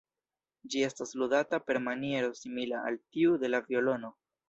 Ĝi estas ludata per maniero simila al tiu de la violono.